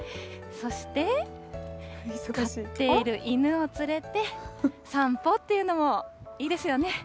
そして、飼っている犬を連れて、散歩というのもいいですよね。